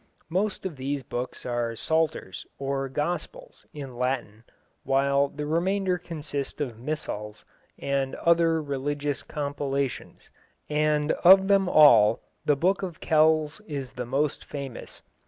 _)] Most of these books are Psalters, or Gospels, in Latin, while the remainder consist of missals and other religious compilations, and of them all the Book of Kells is the most famous.